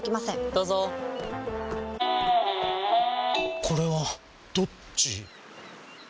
どうぞこれはどっち？